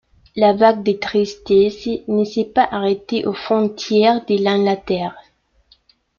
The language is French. La vague de tristesse ne s'est pas arrêtée aux frontières de l'Angleterre.